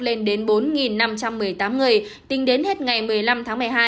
lên đến bốn năm trăm một mươi tám người tính đến hết ngày một mươi năm tháng một mươi hai